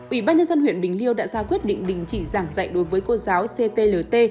ủy ban nhân dân huyện bình liêu đã ra quyết định đình chỉ giảng dạy đối với cô giáo ctlt